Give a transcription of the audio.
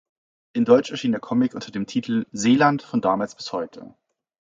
In Deutsch erschien der Comic unter dem Titel "Zeeland von Damals bis Heute".